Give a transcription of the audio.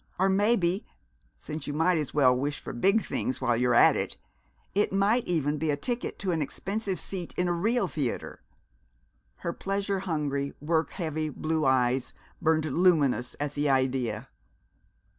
Or maybe, since you might as well wish for big things while you're at it, it might even be a ticket to an expensive seat in a real theatre! Her pleasure hungry, work heavy blue eyes burned luminous at the idea.